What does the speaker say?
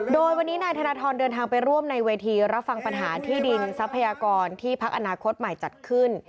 โดยวันนี้นายธนทรเดินทางไปร่วมในเวทีรับฟังปัญหาที่ดินทรัพยากรที่พักอนาคตใหม่จัดขึ้น